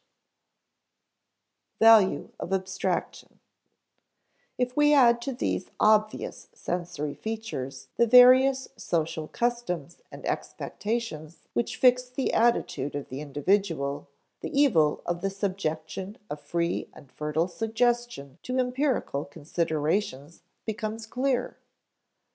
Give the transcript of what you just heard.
[Sidenote: Value of abstraction] If we add to these obvious sensory features the various social customs and expectations which fix the attitude of the individual, the evil of the subjection of free and fertile suggestion to empirical considerations becomes clear.